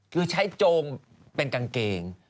คือใช้โจงเป็นกางเกง